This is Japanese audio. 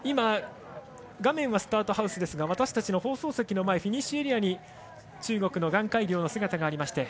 画面はスタートハウスですが私たちの放送席の前フィニッシュエリアに顔海陵の姿があります。